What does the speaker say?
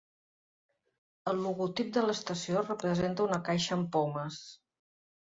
El logotip de l"estació representa una caixa amb pomes.